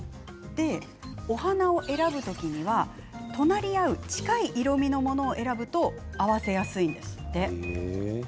お花を選ぶ時には隣り合う近い色みのものを選ぶと合わせやすいんだそう。